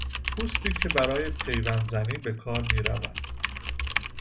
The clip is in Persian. پوستی که برای پیوند زنی به کار میرود